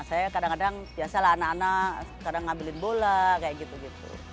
saya kadang kadang biasalah anak anak kadang ngambilin bola kayak gitu gitu